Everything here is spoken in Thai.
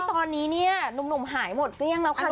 ตอนนี้เนี่ยหนุ่มหายหมดเบี้ยงแล้วค่ะชนิดค่ะ